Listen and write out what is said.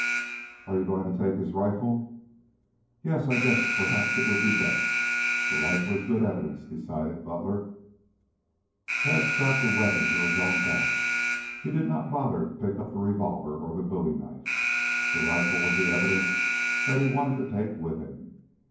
"Are you going to take his rifle?" "Yes, I guess perhaps it would be best. The rifle is good evidence," decided Butler. Tad strapped the weapon to his own back. He did not bother to pick up the revolver or the bowie knife. The rifle was the evidence that he wanted to take with him.